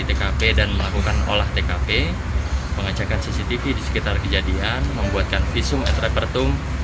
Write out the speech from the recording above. tkp dan melakukan olah tkp pengecekan cctv di sekitar kejadian membuatkan visum et repertum